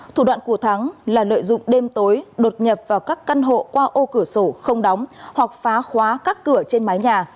thủ đoạn của thắng là lợi dụng đêm tối đột nhập vào các căn hộ qua ô cửa sổ không đóng hoặc phá khóa các cửa trên mái nhà